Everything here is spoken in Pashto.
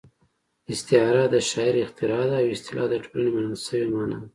استعاره د شاعر اختراع ده او اصطلاح د ټولنې منل شوې مانا ده